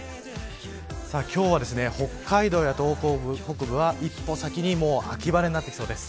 今日は北海道や東北北部は一歩先に秋晴れになってきそうです。